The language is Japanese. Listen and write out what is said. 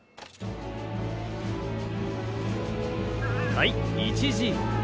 はい１Ｇ。